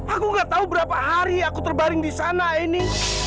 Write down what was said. aku gak tahu berapa hari aku terbaring di sana ini